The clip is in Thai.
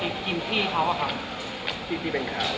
ที่ที่เป็นขาว